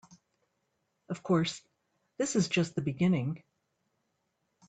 Of course, this is just the beginning.